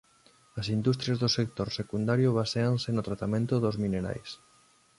As industrias do sector secundario baséanse no tratamento dos minerais.